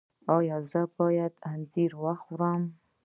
ایا زه باید انځر وخورم؟